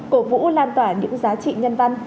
cổ vũ lan tỏa những giá trị nhân văn